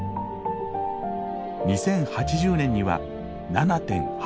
２０８０年には７．８。